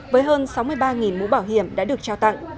với hơn sáu mươi ba mũ bảo hiểm đã được trao tặng